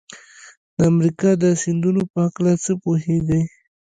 د امریکا د سیندونو په هلکه څه پوهیږئ؟